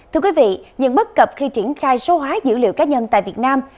thưa quý vị những bất cập khi triển khai số hóa dữ liệu cá nhân tại việt nam